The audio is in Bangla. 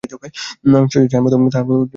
সে যে ছায়ার মতো তাঁহার অনুসরণ করে।